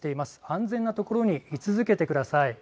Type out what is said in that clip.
安全な所に居続けてください。